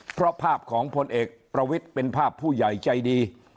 เพราะภาพของพลเอกประวิทย์เป็นภาพผู้ใหญ่ใจดี